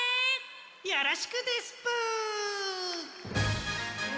よろしくですぷ！